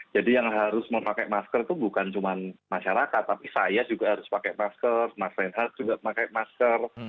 jadi yang harus memakai masker itu bukan cuma masyarakat tapi saya juga harus pakai masker masyarakat juga pakai masker